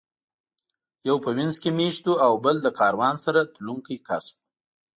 یو په وینز کې مېشت و او بل له کاروان سره تلونکی کس و